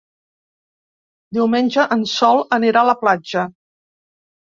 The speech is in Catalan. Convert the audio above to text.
Diumenge en Sol anirà a la platja.